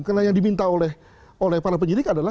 karena yang diminta oleh para penyidik adalah